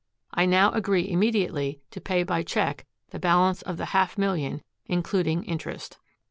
I now agree immediately to pay by check the balance of the half million, including interest."